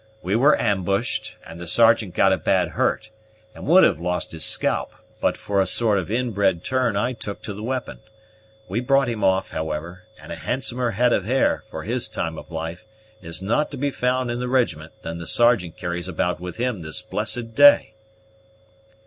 We were ambushed, and the Sergeant got a bad hurt, and would have lost his scalp, but for a sort of inbred turn I took to the weapon. We brought him off, however, and a handsomer head of hair, for his time of life, is not to be found in the rijiment than the Sergeant carries about with him this blessed day."